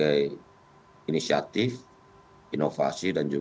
tapi juga punya sumber daya manusia yang bisa menjadikan kita lebih berharga